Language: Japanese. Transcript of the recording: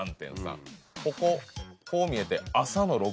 こここう見えて。